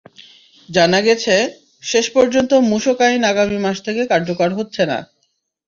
জানা গেছে, শেষ পর্যন্ত মূসক আইন আগামী মাস থেকে কার্যকর হচ্ছে না।